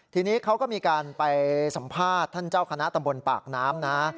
ทีนี้เขาก็มีการไปสัมภาษณ์ท่านเจ้าคณะตำบลปากน้ำนะ